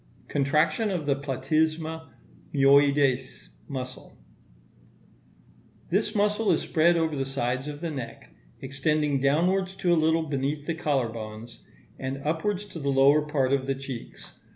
Contraction of the platysma myoides muscle.—This muscle is spread over the sides of the neck, extending downwards to a little beneath the collar bones, and upwards to the lower part of the cheeks.